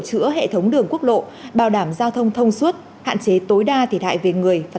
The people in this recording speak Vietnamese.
chữa hệ thống đường quốc lộ bảo đảm giao thông thông suốt hạn chế tối đa thiệt hại về người và